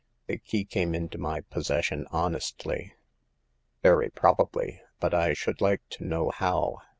The key came into my possession honestly." Very probably ; but I should like to know how.